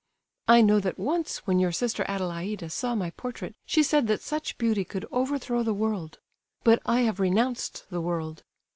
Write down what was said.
I know that once when your sister Adelaida saw my portrait she said that such beauty could overthrow the world. But I have renounced the world.